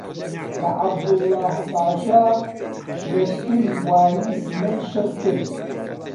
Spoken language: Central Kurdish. کە عەبدوڵڵاهـ پاشا لەشکری والیی سنەی شڕ کرد